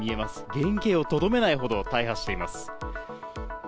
原形をとどめないほど大破しています。